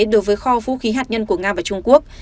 đối với kho vũ khí hạt nhân của nga và trung quốc